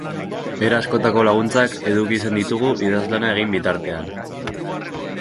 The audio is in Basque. Era askotako laguntzak eduki izan ditugu idazlana egin bitartean.